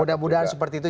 mudah mudahan seperti itu